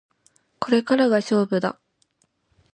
これからが勝負だ